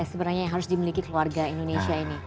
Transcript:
sebenarnya yang harus dimiliki keluarga indonesia ini